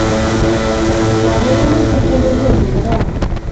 Lakok ko mochei somaneet ne kararan